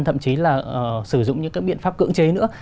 thậm chí là sử dụng những các biện pháp cưỡng chế nữa